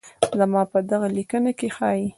زما په دغه ليکنه کې ښايي